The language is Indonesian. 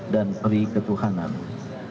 dan perasaan kita